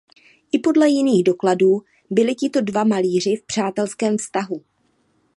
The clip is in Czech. I podle jiných dokladů byli tito dva malíři v přátelském vztahu.